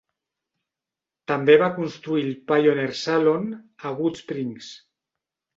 També va construir el "Pioneer Saloon" a Goodsprings.